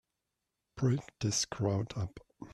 Break this crowd up!